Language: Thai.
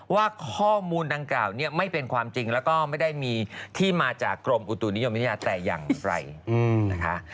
ว่าข้อมูลดังกล่าวเนี่ยไม่เป็นความจริงแล้วก็ไม่ได้มีที่มาจากกรมอุตุนิยมวิทยาแต่อย่างไกลนะคะ